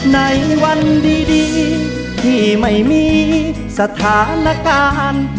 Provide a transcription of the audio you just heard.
ในวันดีที่ไม่มีสถานการณ์